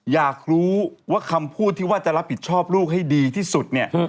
อยากรู้ว่าคำพูดที่ว่าจะรับผิดชอบลูกให้ดีที่สุดเนี่ย